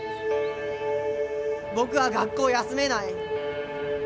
僕は学校を休めない。